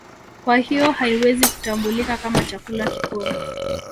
Kwa hiyo haiwezi kutambulika kama chakula kikuu